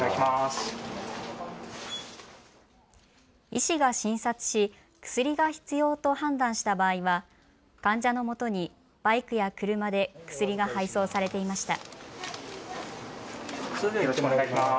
医師が診察し薬が必要と判断した場合は患者のもとにバイクや車で薬が配送されていました。